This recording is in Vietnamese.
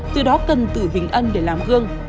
từ đó cần tử hình ân để làm gương